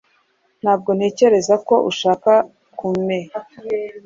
Ntabwo ntekereza ko ushaka kumea.